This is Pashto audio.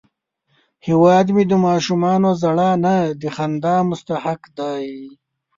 هیواد مې د ماشومانو ژړا نه، د خندا مستحق دی